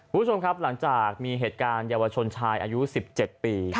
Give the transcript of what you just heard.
คุณผู้ชมครับหลังจากมีเหตุการณ์เยาวชนชายอายุ๑๗ปี